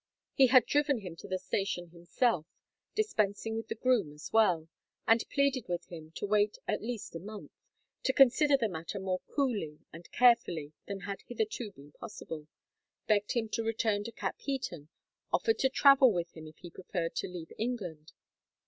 He had driven him to the station himself, dispensing with the groom as well, and pleaded with him to wait at least a month; to consider the matter more coolly and carefully than had hitherto been possible; begged him to return to Capheaton; offered to travel with him if he preferred to leave England.